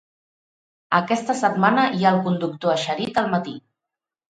Aquesta setmana hi ha el conductor eixerit al matí.